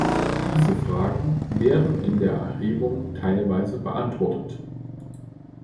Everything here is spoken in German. Diese Fragen werden in der Erhebung teilweise beantwortet.